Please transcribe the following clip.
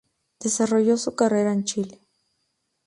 Desarrollo su carrera en Chile.